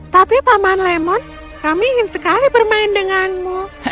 tapi paman lemon kami ingin sekali bermain denganmu